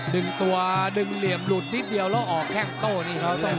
ดึงตัวดึงเหลี่ยมหลุดนิดเดียวแล้วออกแข้งโต้นี่